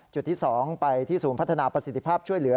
จุดที่๒ไปที่ศูนย์พัฒนาประสิทธิภาพช่วยเหลือ